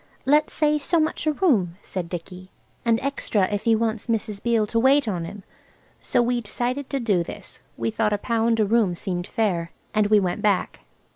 "Let's say so much a room," said Dicky, "and extra if he wants Mrs. Beale to wait on him." So we decided to do this. We thought a pound a room seemed fair. And we went back.